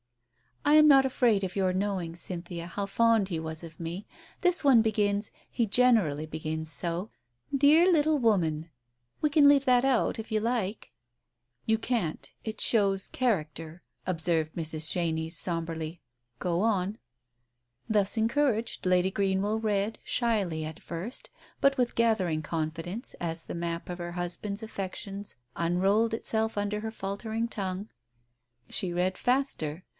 "I am not afraid of your knowing, Cynthia, how fond he was of me. This one begins — he generally begins so —* Dear little woman '— we can leave that out if you like ?" "You can't. It shows character," observed Mrs. Chenies sombrely. "Go on." Thus encouraged, Lady Greenwell read, shyly at first, but with gathering confidence, as the map of her hus band's affection unrolled itself under her faltering tongue. She read faster.